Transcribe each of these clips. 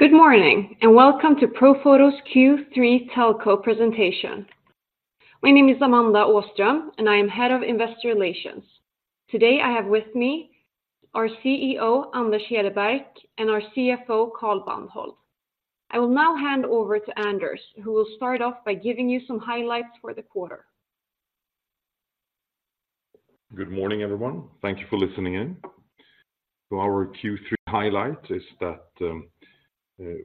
Good morning, and welcome to Profoto's Q3 Telco presentation. My name is Amanda Åström, and I am Head of Investor Relations. Today, I have with me our CEO, Anders Hedebark, and our CFO, Carl Bandhold. I will now hand over to Anders, who will start off by giving you some highlights for the quarter. Good morning, everyone. Thank you for listening in. So our Q3 highlight is that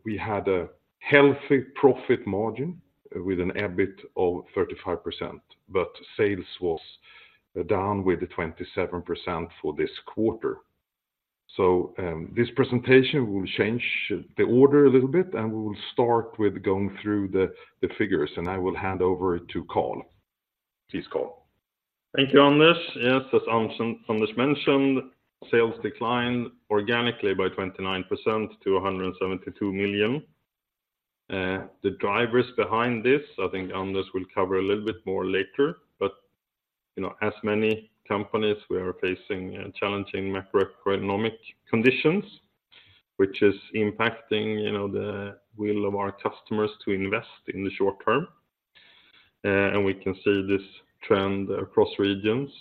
we had a healthy profit margin with an EBIT of 35%, but sales was down with the 27% for this quarter. So, this presentation will change the order a little bit, and we will start with going through the figures, and I will hand over to Carl. Please, Carl. Thank you, Anders. Yes, as Anders mentioned, sales declined organically by 29% to 172 million. The drivers behind this, I think Anders will cover a little bit more later, but, you know, as many companies, we are facing challenging macroeconomic conditions, which is impacting, you know, the will of our customers to invest in the short term. And we can see this trend across regions.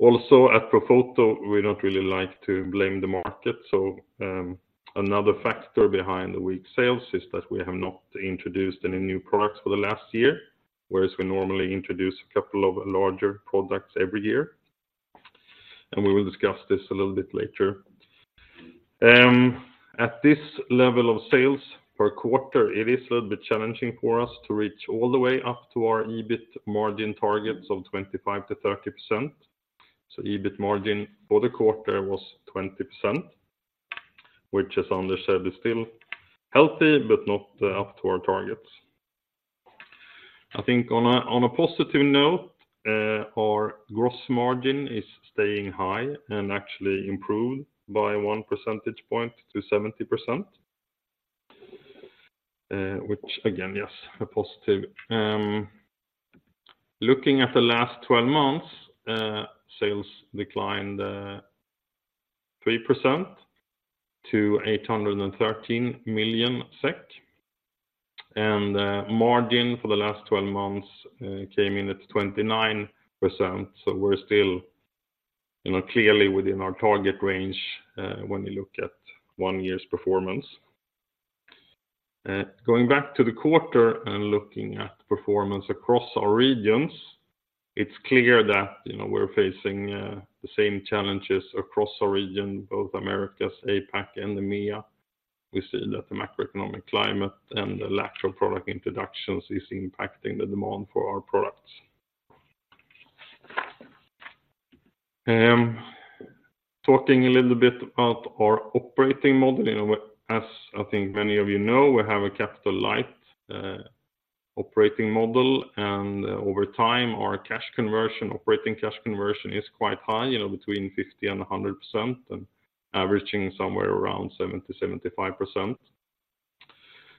Also, at Profoto, we don't really like to blame the market. So, another factor behind the weak sales is that we have not introduced any new products for the last year, whereas we normally introduce a couple of larger products every year, and we will discuss this a little bit later. At this level of sales per quarter, it is a little bit challenging for us to reach all the way up to our EBIT margin targets of 25%-30%. So EBIT margin for the quarter was 20%, which, as Anders said, is still healthy but not up to our targets. I think on a positive note, our gross margin is staying high and actually improved by one percentage point to 70%, which again, yes, a positive. Looking at the last 12 months, sales declined 3% to 813 million SEK, and the margin for the last 12 months came in at 29%. So we're still, you know, clearly within our target range, when you look at one year's performance. Going back to the quarter and looking at performance across our regions, it's clear that, you know, we're facing the same challenges across our region, both Americas, APAC, and EMEA. We see that the macroeconomic climate and the lack of product introductions is impacting the demand for our products. Talking a little bit about our operating model, you know, as I think many of you know, we have a capital light operating model, and over time, our cash conversion, operating cash conversion is quite high, you know, between 50% and 100%, and averaging somewhere around 70-75%.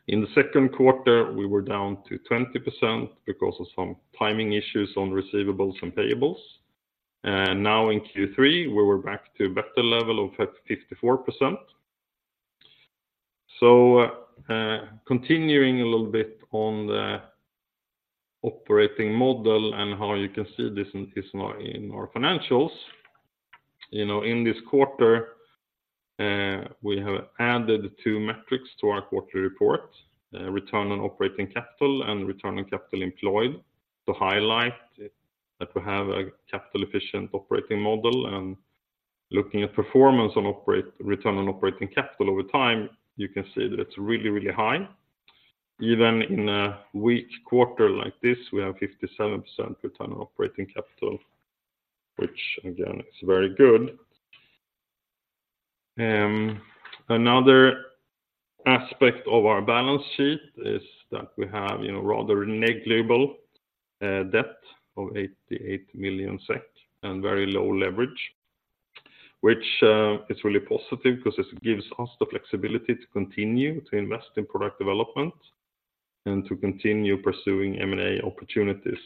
In the second quarter, we were down to 20% because of some timing issues on receivables and payables. Now in Q3, we were back to better level of at 54%. Continuing a little bit on the operating model and how you can see this is now in our financials. You know, in this quarter, we have added two metrics to our quarterly report, Return on Operating Capital and Return on Capital Employed, to highlight that we have a capital-efficient operating model and looking at performance on return on operating capital over time, you can see that it's really, really high. Even in a weak quarter like this, we have 57% Return on Operating Capital, which again, is very good. Another aspect of our balance sheet is that we have, you know, rather negligible debt of 88 million SEK and very low leverage, which is really positive because it gives us the flexibility to continue to invest in product development and to continue pursuing M&A opportunities.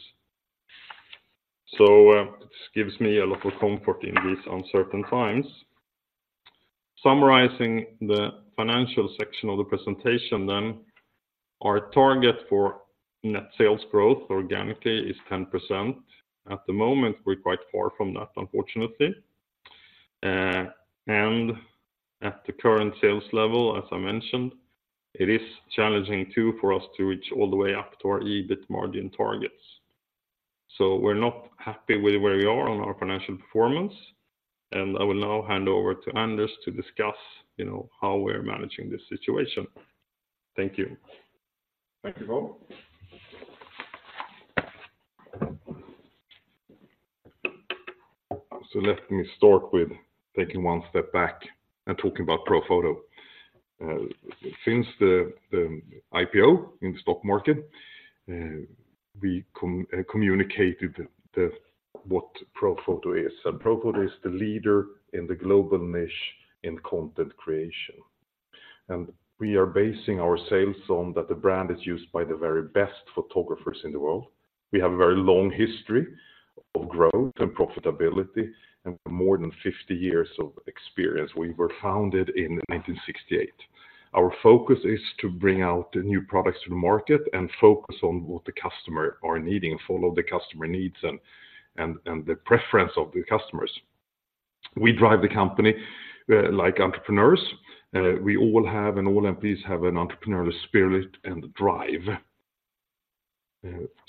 So, this gives me a lot of comfort in these uncertain times. Summarizing the financial section of the presentation then, our target for net sales growth organically is 10%. At the moment, we're quite far from that, unfortunately. And at the current sales level, as I mentioned, it is challenging, too, for us to reach all the way up to our EBIT margin targets. So we're not happy with where we are on our financial performance, and I will now hand over to Anders to discuss, you know, how we're managing this situation. Thank you. Thank you, Carl. So let me start with taking one step back and talking about Profoto. Since the IPO in the stock market, we communicated what Profoto is, and Profoto is the leader in the global niche in content creation. We are basing our sales on that the brand is used by the very best photographers in the world. We have a very long history of growth and profitability, and more than 50 years of experience. We were founded in 1968. Our focus is to bring out the new products to the market and focus on what the customer are needing, follow the customer needs and the preference of the customers. We drive the company like entrepreneurs. We all have, and all employees have an entrepreneurial spirit and drive.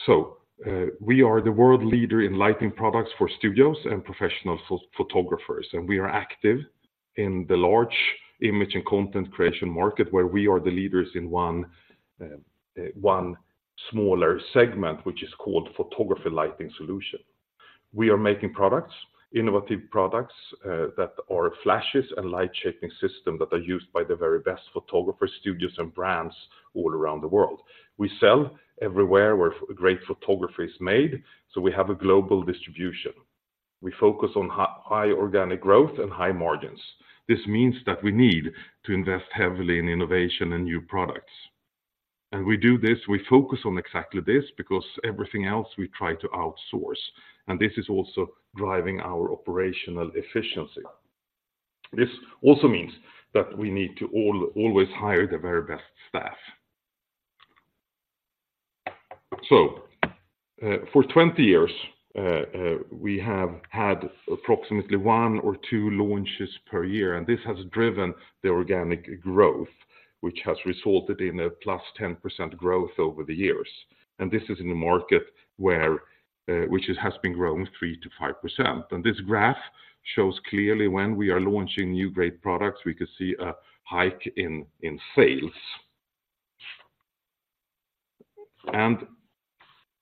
So, we are the world leader in lighting products for studios and professional photographers, and we are active in the large image and content creation market, where we are the leaders in one smaller segment, which is called photography lighting solution. We are making products, innovative products, that are flashes and light shaping system that are used by the very best photographers, studios, and brands all around the world. We sell everywhere, where great photography is made, so we have a global distribution. We focus on high organic growth and high margins. This means that we need to invest heavily in innovation and new products. We do this, we focus on exactly this, because everything else we try to outsource, and this is also driving our operational efficiency. This also means that we need to always hire the very best staff. So, for 20 years, we have had approximately one or two launches per year, and this has driven the organic growth, which has resulted in a +10% growth over the years. And this is in a market where, which has been growing 3%-5%. And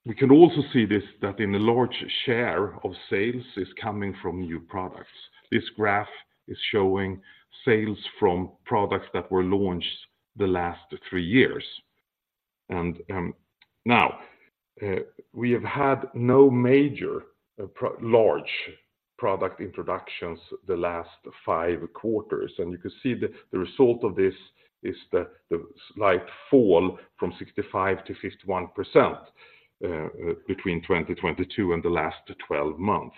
we can see this, that in a large share of sales is coming from new products. This graph is showing sales from products that were launched the last three years. Now, we have had no major large product introductions the last 5 quarters, and you can see the result of this is the slight fall from 65%-51% between 2022 and the last 12 months.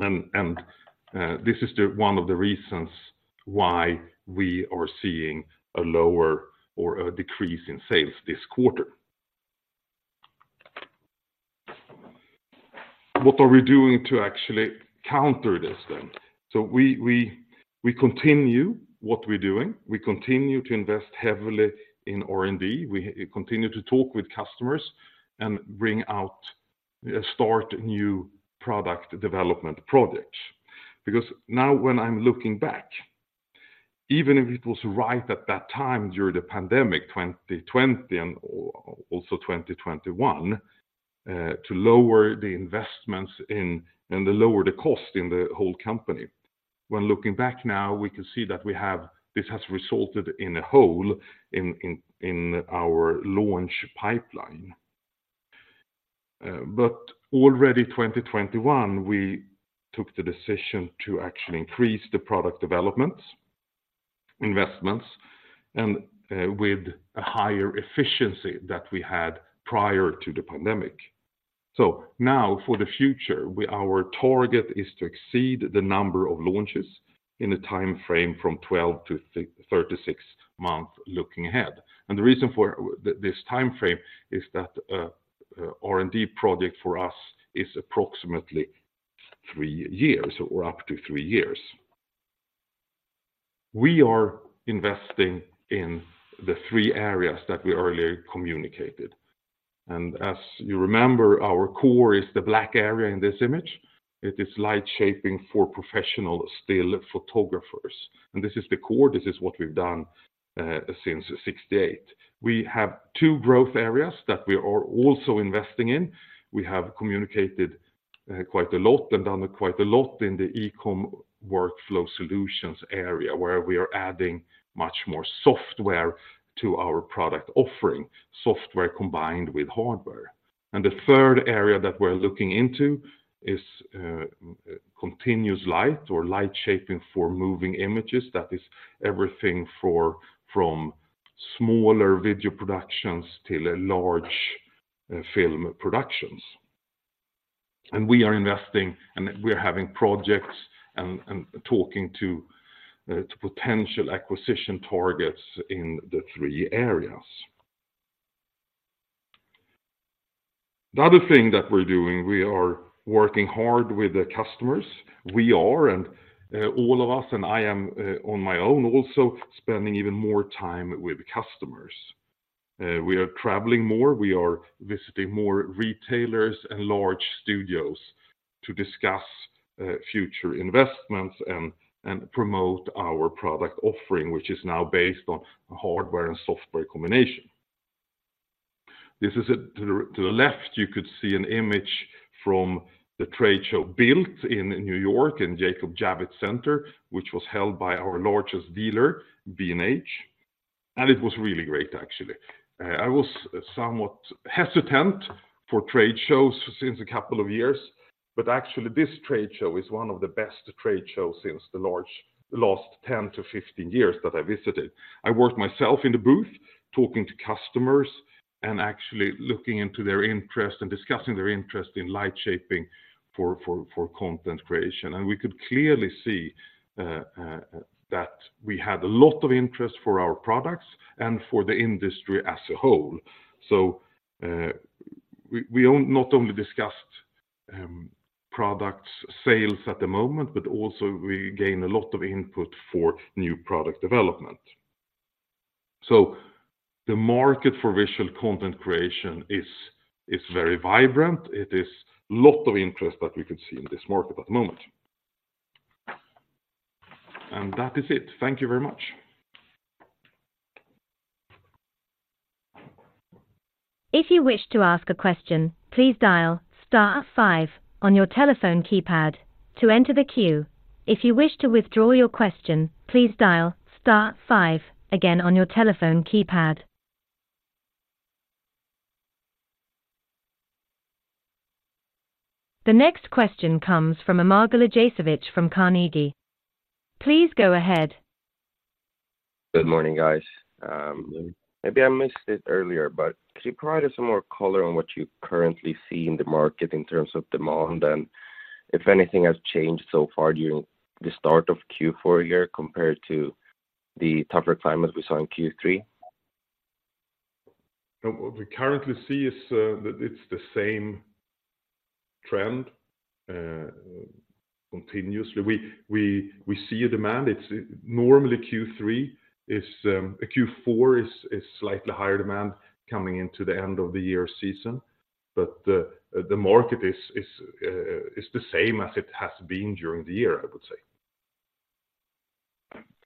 This is one of the reasons why we are seeing a lower or a decrease in sales this quarter. What are we doing to actually counter this then? So we continue what we're doing. We continue to invest heavily in R&D. We continue to talk with customers and bring out start new product development projects. Because now when I'm looking back, even if it was right at that time during the pandemic, 2020 and also 2021, to lower the investments and to lower the cost in the whole company. When looking back now, we can see that this has resulted in a hole in our launch pipeline. But already in 2021, we took the decision to actually increase the product developments, investments, and with a higher efficiency that we had prior to the pandemic. So now, for the future, our target is to exceed the number of launches in a time frame from 12 months to 36 months, looking ahead. And the reason for this time frame is that R&D project for us is approximately three years or up to three years. We are investing in the three areas that we earlier communicated, and as you remember, our core is the black area in this image. It is light shaping for professional still photographers, and this is the core, this is what we've done since 1968. We have two growth areas that we are also investing in. We have communicated quite a lot and done quite a lot in the e-com workflow solutions area, where we are adding much more software to our product offering, software combined with hardware. And the third area that we're looking into is continuous light or light shaping for moving images. That is everything from smaller video productions to a large film productions. And we are investing, and we are having projects and talking to potential acquisition targets in the three areas. The other thing that we're doing, we are working hard with the customers. We are and all of us, and I am on my own, also spending even more time with customers. We are traveling more, we are visiting more retailers and large studios to discuss future investments and promote our product offering, which is now based on hardware and software combination. This is it. To the left, you could see an image from the trade show Bild in New York, in Jacob Javits Center, which was held by our largest dealer, B&H, and it was really great, actually. I was somewhat hesitant for trade shows since a couple of years, but actually, this trade show is one of the best trade shows since the last 10-15 years that I visited. I worked myself in the booth, talking to customers, and actually looking into their interest and discussing their interest in light shaping for content creation. And we could clearly see that we had a lot of interest for our products and for the industry as a whole. So, we not only discussed products sales at the moment, but also we gained a lot of input for new product development. So the market for visual content creation is very vibrant. It is lot of interest that we could see in this market at the moment. And that is it. Thank you very much. If you wish to ask a question, please dial star five on your telephone keypad to enter the queue. If you wish to withdraw your question, please dial star five again on your telephone keypad. The next question comes from Amar Galijasevic from Carnegie. Please go ahead. Good morning, guys. Maybe I missed it earlier, but could you provide us some more color on what you currently see in the market in terms of demand, and if anything has changed so far during the start of Q4 year compared to the tougher climate we saw in Q3? What we currently see is that it's the same trend continuously. We see a demand. It's normally Q3 is Q4 is slightly higher demand coming into the end of the year season, but the market is the same as it has been during the year, I would say.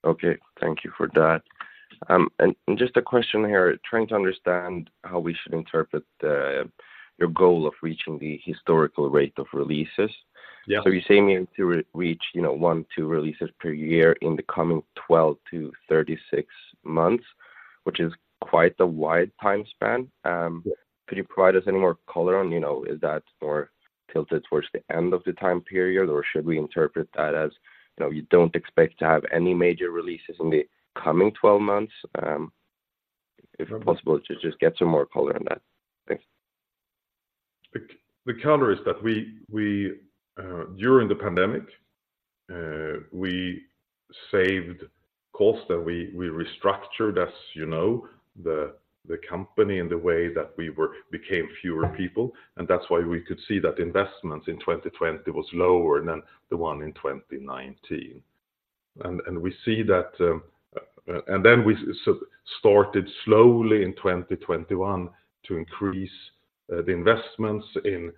Okay. Thank you for that. Just a question here, trying to understand how we should interpret your goal of reaching the historical rate of releases? Yeah. So you say you need to reach, you know, 1, 2 releases per year in the coming 12 months-36 months, which is quite a wide time span. Yeah. Could you provide us any more color on, you know, is that more tilted towards the end of the time period, or should we interpret that as, you know, you don't expect to have any major releases in the coming 12 months? If possible, to just get some more color on that. Thanks. The color is that we, during the pandemic, we saved cost, and we restructured, as you know, the company in the way that we became fewer people, and that's why we could see that investments in 2020 was lower than the one in 2019. And we see that and then we so started slowly in 2021 to increase the investments in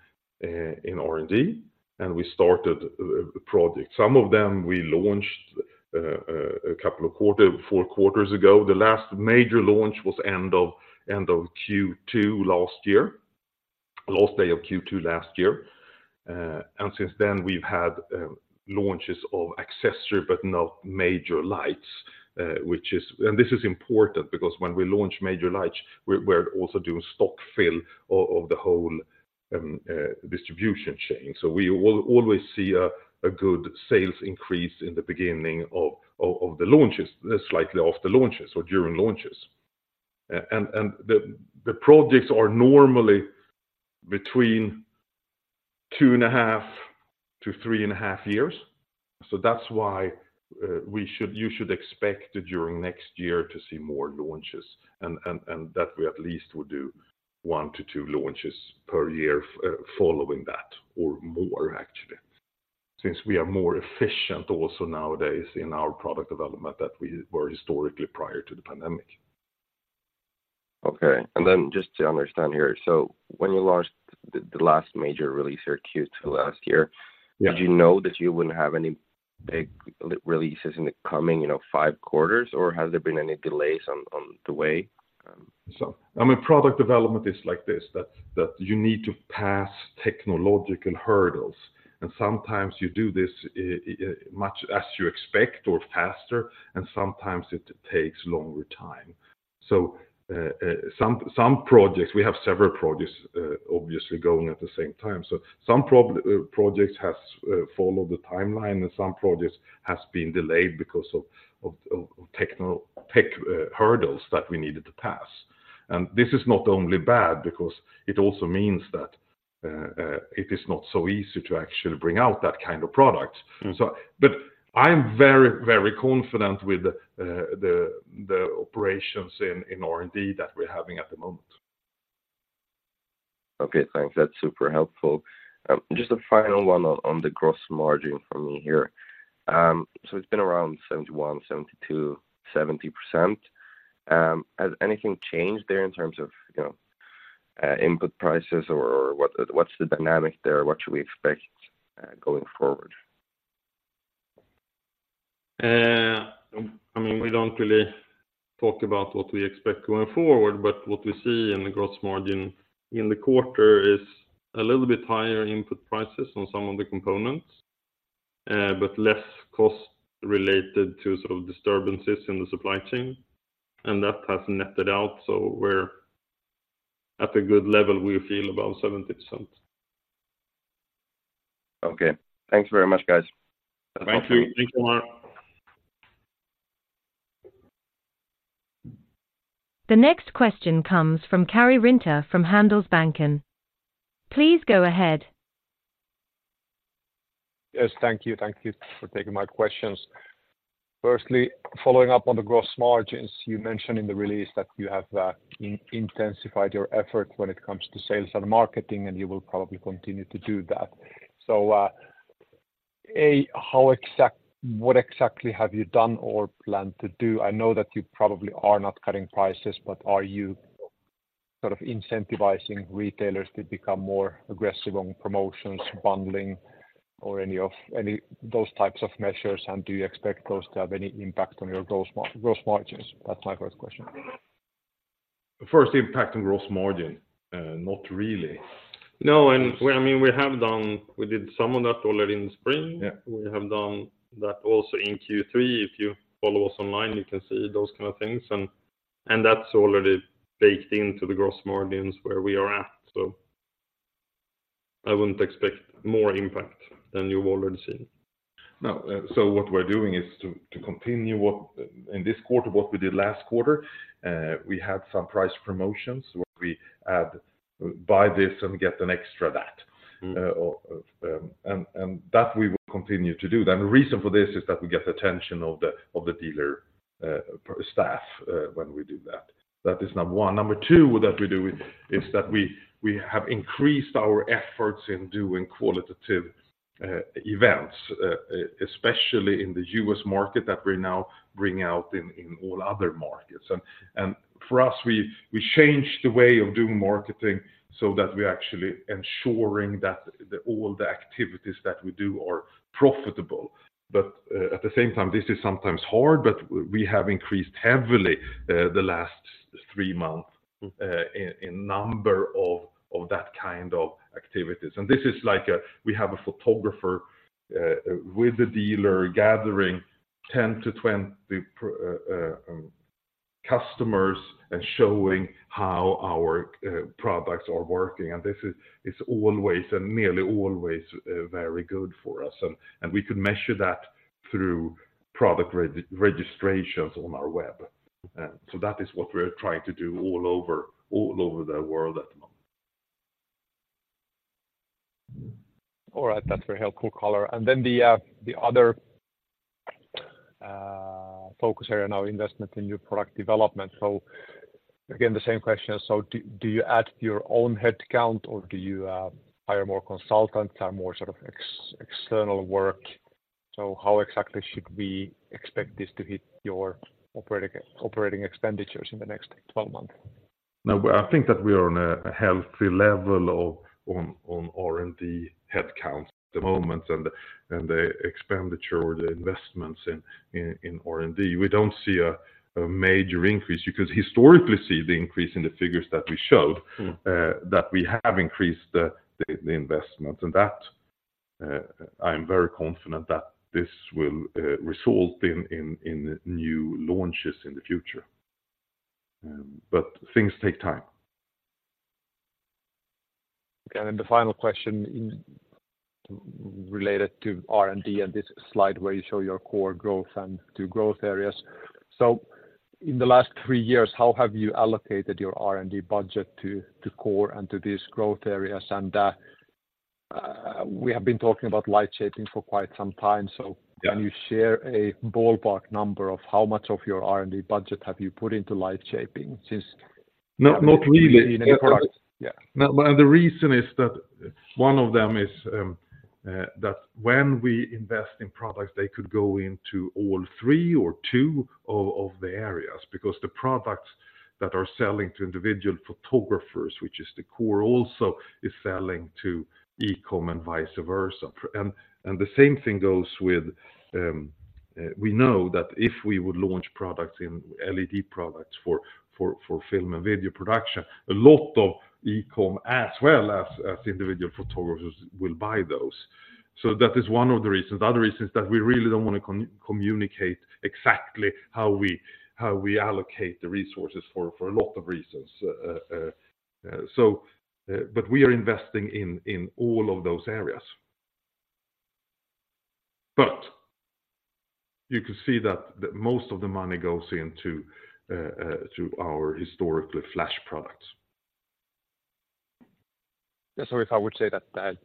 R&D, and we started a project. Some of them we launched a couple of quarter, four quarters ago. The last major launch was end of Q2 last year, last day of Q2 last year. And since then, we've had launches of accessory, but not major lights, and this is important because when we launch major lights, we're also doing stock fill of the whole distribution chain. So we will always see a good sales increase in the beginning of the launches, slightly off the launches or during launches. And the projects are normally between 2.5 years-3.5 years. So that's why you should expect during next year to see more launches, and that we at least would do 1-2 launches per year following that, or more, actually, since we are more efficient also nowadays in our product development than we were historically prior to the pandemic. Okay. And then just to understand here, so when you launched the last major release here, Q2 last year- Yeah. Did you know that you wouldn't have any big releases in the coming, you know, five quarters, or has there been any delays on the way? So, I mean, product development is like this, that you need to pass technological hurdles, and sometimes you do this much as you expect or faster, and sometimes it takes longer time. So, some projects, we have several projects obviously going at the same time. So some projects has followed the timeline, and some projects has been delayed because of tech hurdles that we needed to pass. And this is not only bad because it also means that it is not so easy to actually bring out that kind of product. Mm-hmm. So, but I'm very, very confident with the operations in R&D that we're having at the moment. Okay, thanks. That's super helpful. Just a final one on, on the gross margin for me here. So it's been around 71%, 72%, 70%. Has anything changed there in terms of, you know, input prices or what, what's the dynamic there? What should we expect, going forward? I mean, we don't really talk about what we expect going forward, but what we see in the gross margin in the quarter is a little bit higher input prices on some of the components, but less cost related to sort of disturbances in the supply chain, and that has netted out. So we're at a good level, we feel, about 70%. Okay. Thanks very much, guys. Thank you. Thanks a lot. The next question comes from Karri Rinta from Handelsbanken. Please go ahead. Yes, thank you. Thank you for taking my questions. Firstly, following up on the gross margins, you mentioned in the release that you have intensified your effort when it comes to sales and marketing, and you will probably continue to do that. So, what exactly have you done or plan to do? I know that you probably are not cutting prices, but are you sort of incentivizing retailers to become more aggressive on promotions, bundling, or any of those types of measures? And do you expect those to have any impact on your gross margins? That's my first question. First, impact on gross margin, not really. No, well, I mean, we have done... we did some of that already in the spring. Yeah. We have done that also in Q3. If you follow us online, you can see those kind of things, and that's already baked into the gross margins where we are at. So I wouldn't expect more impact than you've already seen. No, so what we're doing is to continue in this quarter what we did last quarter. We had some price promotions where we had buy this and get an extra that. Mm. and that we will continue to do. Then the reason for this is that we get the attention of the dealer staff when we do that. That is number one. Number two, that we do is that we have increased our efforts in doing qualitative events, especially in the U.S. market, that we're now bringing out in all other markets. And for us, we changed the way of doing marketing so that we're actually ensuring that all the activities that we do are profitable. But at the same time, this is sometimes hard, but we have increased heavily the last three months- Mm In number of that kind of activities. And this is like a, we have a photographer with the dealer gathering 10-20 customers and showing how our products are working. And this is, it's always and nearly always very good for us, and we could measure that through product registrations on our web. So that is what we're trying to do all over, all over the world at the moment. All right. That's very helpful, Karri. And then the other focus area now, investment in new product development. So again, the same question: so do you add your own headcount, or do you hire more consultants or more sort of external work? So how exactly should we expect this to hit your operating expenditures in the next 12 months? No, I think that we are on a healthy level of R&D headcount at the moment, and the expenditure or the investments in R&D. We don't see a major increase because historically, you see the increase in the figures that we showed- Mm... that we have increased the investment. And that I'm very confident that this will result in new launches in the future. But things take time. And then the final question related to R&D and this slide where you show your core growth and two growth areas. So in the last three years, how have you allocated your R&D budget to core and to these growth areas? And we have been talking about light shaping for quite some time. So- Yeah Can you share a ballpark number of how much of your R&D budget have you put into light shaping since? Not, not really. Yeah. Now, the reason is that one of them is that when we invest in products, they could go into all three or two of the areas, because the products that are selling to individual photographers, which is the core, also is selling to e-com and vice versa. And the same thing goes with. We know that if we would launch products in LED products for film and video production, a lot of e-com, as well as individual photographers will buy those. So that is one of the reasons. The other reason is that we really don't want to communicate exactly how we allocate the resources for a lot of reasons. So but we are investing in all of those areas. But you can see that most of the money goes into to our historically flash products. Yeah, so if I would say that, that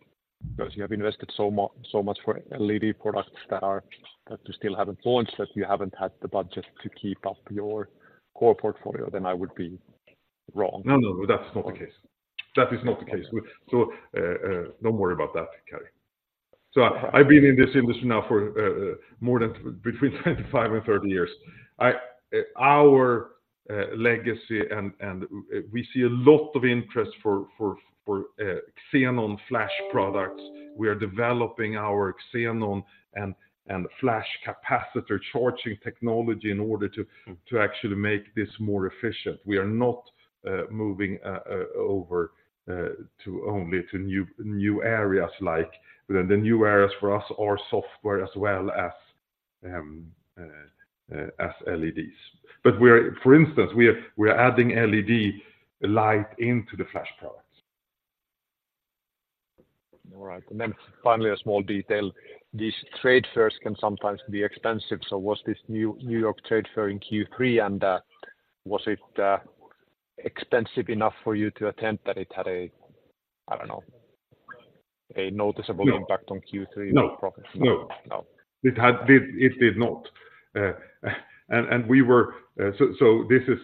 because you have invested so much, so much for LED products that are, that you still haven't launched, that you haven't had the budget to keep up your core portfolio, then I would be wrong? No, no, that's not the case. That is not the case. So, don't worry about that, Karri. So I've been in this industry now for more than between 25 years and 30 years. Our legacy and we see a lot of interest for xenon flash products. We are developing our xenon and flash capacitor charging technology in order to- Mm -to actually make this more efficient. We are not moving over to only new areas like... The new areas for us are software as well as LEDs. But we're, for instance, adding LED light into the flash products. All right. And then finally, a small detail. These trade fairs can sometimes be expensive, so was this new New York trade fair in Q3, and was it expensive enough for you to attend that it had a, I don't know, a noticeable- No. -impact on Q3- No. -profits? No. No. It did not. So this is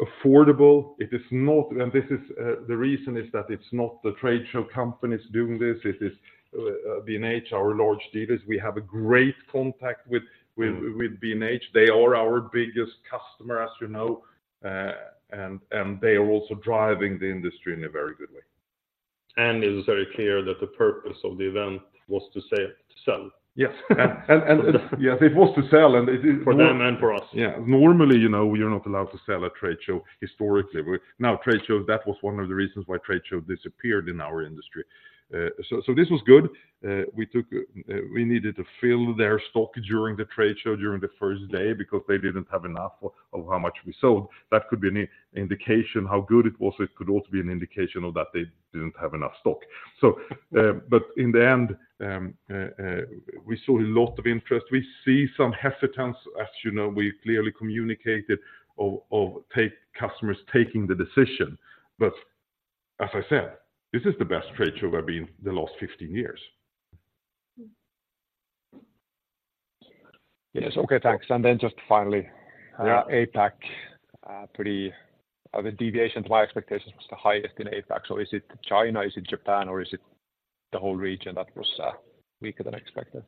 affordable. It is not, and this is the reason is that it's not the trade show companies doing this, it is B&H, our large dealers. We have a great contact with- Mm. with B&H. They are our biggest customer, as you know, and they are also driving the industry in a very good way. It is very clear that the purpose of the event was to sell, to sell. Yes. And yes, it was to sell, and it is- For them and for us. Yeah. Normally, you know, you're not allowed to sell at trade show historically. But now trade shows, that was one of the reasons why trade show disappeared in our industry. So this was good. We needed to fill their stock during the trade show, during the first day, because they didn't have enough of how much we sold. That could be an indication how good it was, it could also be an indication of that they didn't have enough stock. So, but in the end, we saw a lot of interest. We see some hesitance, as you know, we clearly communicated, of customers taking the decision. But as I said, this is the best trade show I've been the last 15 years. Yes. Okay, thanks. And then just finally- Yeah... APAC, the deviation to my expectations was the highest in APAC. So is it China, is it Japan, or is it the whole region that was weaker than expected?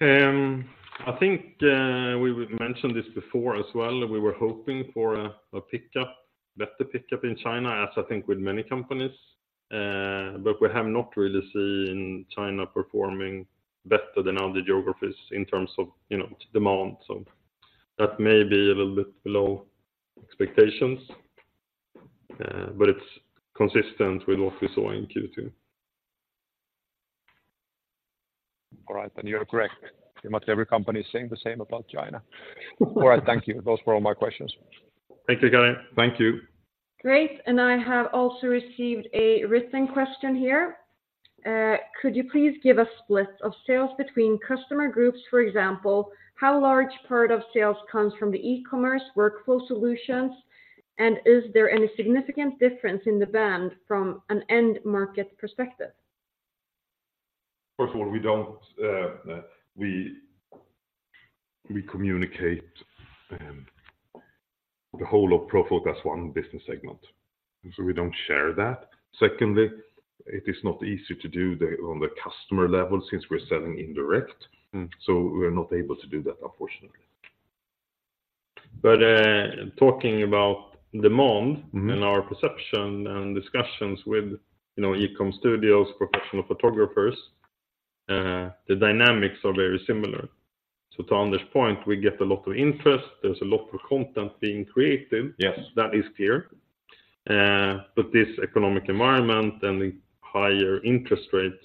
I think we mentioned this before as well, we were hoping for a pickup, better pickup in China, as I think with many companies. But we have not really seen China performing better than other geographies in terms of, you know, demand. So that may be a little bit below expectations, but it's consistent with what we saw in Q2. All right. And you're correct. Pretty much every company is saying the same about China. All right, thank you. Those were all my questions. Thank you, Karri. Thank you. Great, I have also received a written question here. Could you please give a split of sales between customer groups, for example, how large part of sales comes from the e-commerce workflow solutions, and is there any significant difference in the band from an end market perspective? First of all, we don't communicate the whole of Profoto as one business segment, so we don't share that. Secondly, it is not easy to do on the customer level since we're selling indirect. Mm. We are not able to do that, unfortunately. But, talking about demand- Mm-hmm... and our perception and discussions with, you know, e-com studios, professional photographers, the dynamics are very similar. So to Anders' point, we get a lot of interest. There's a lot of content being created. Yes. That is clear. But this economic environment and the higher interest rates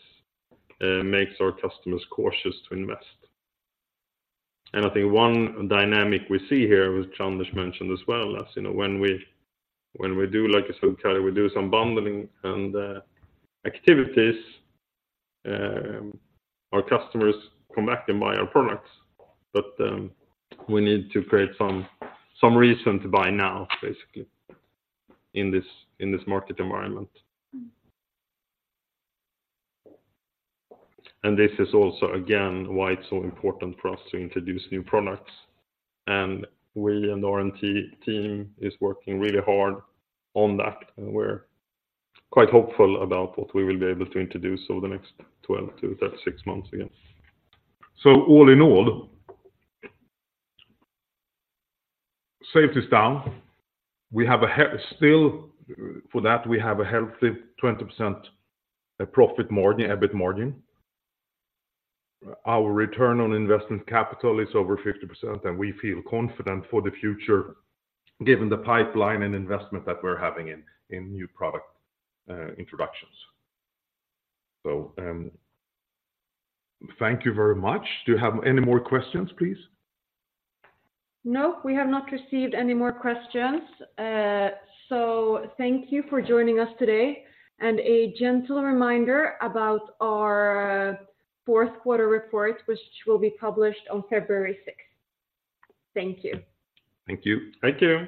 makes our customers cautious to invest. And I think one dynamic we see here, which Anders mentioned as well as, you know, when we do, like I said, Karri, we do some bundling and activities, our customers come back and buy our products. But we need to create some reason to buy now, basically, in this market environment. Mm. This is also, again, why it's so important for us to introduce new products. We and the R&D team is working really hard on that, and we're quite hopeful about what we will be able to introduce over the next 12-36 months again. So all in all, sales is down. We have a healthy 20% profit margin, EBIT margin. Our return on investment capital is over 50%, and we feel confident for the future, given the pipeline and investment that we're having in new product introductions. So, thank you very much. Do you have any more questions, please? No, we have not received any more questions. So thank you for joining us today. And a gentle reminder about our fourth quarter report, which will be published on February 6th. Thank you. Thank you. Thank you.